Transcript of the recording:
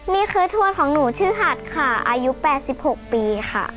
นี่คือทวดของหนูชื่อหัดค่ะอายุ๘๖ปีค่ะ